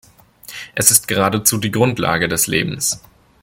Es ist geradezu die Grundlage des Lebens.